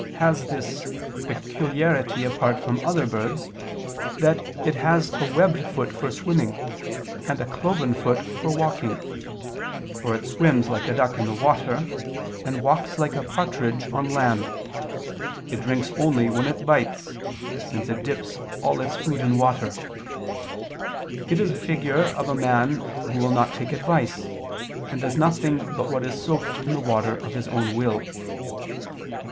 ] has this peculiarity apart from other birds, that it has a webbed foot for swimming, and a cloven foot for walking: for it swims like a duck in the water, and walks like a partridge on land: it drinks only when it bites, since it dips all its food in water: it is a figure of a man who will not take advice, and does nothing but what is soaked in the water of his own will.